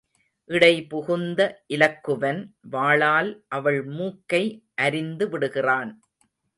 இடைபுகுந்த இலக்குவன் வாளால் அவள் மூக்கை அரிந்து விடுகிறான்.